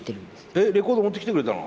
えレコード持ってきてくれたの？